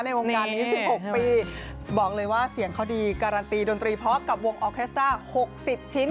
วงการนี้๑๖ปีบอกเลยว่าเสียงเขาดีการันตีดนตรีพร้อมกับวงออเคสต้า๖๐ชิ้น